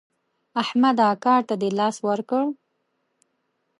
احمده کار ته دې لاس ورکړ؟